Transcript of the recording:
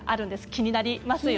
気になりますよね。